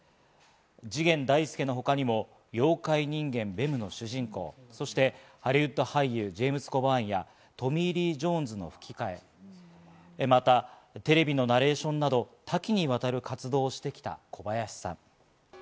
次元大介のほかにも『妖怪人間ベム』の主人公、そしてハリウッド俳優、ジェームズ・コバーンやトミー・リー・ジョーンズの吹替、またテレビのナレーションなど多岐にわたる活動をしてきた小林さん。